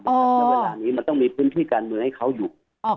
ในเวลานี้มันต้องมีพื้นที่การเมืองให้เขาอยู่